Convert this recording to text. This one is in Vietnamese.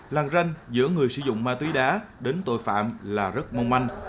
làng ranh giữa người sử dụng ma túy đá đến tội phạm là rất mong manh